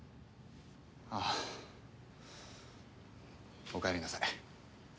ああおかえりなさい。